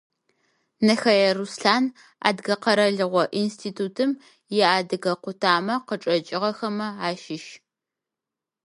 Нэхэе Руслъан, Адыгэ къэралыгъо институтым иадыгэ къутамэ къычӏэкӏыгъэхэмэ ащыщ.